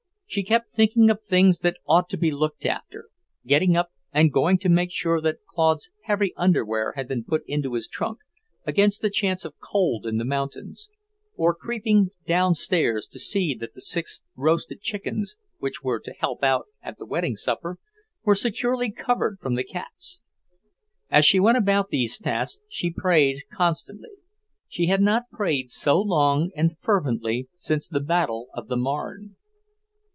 She kept thinking of things that ought to be looked after; getting up and going to make sure that Claude's heavy underwear had been put into his trunk, against the chance of cold in the mountains; or creeping downstairs to see that the six roasted chickens which were to help out at the wedding supper were securely covered from the cats. As she went about these tasks, she prayed constantly. She had not prayed so long and fervently since the battle of the Marne.